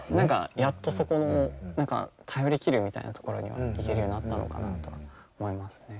やっとそこの頼り切るみたいなところには行けるようになったのかなとは思いますね。